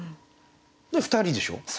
で二人でしょう？